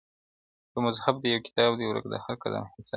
یو مذهب دی یو کتاب دی ورک د هر قدم حساب دی؛